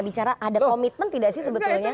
bicara ada komitmen tidak sih sebetulnya